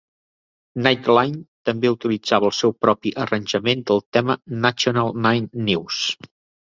"Nightline" també utilitzava el seu propi arranjament del tema "National Nine News".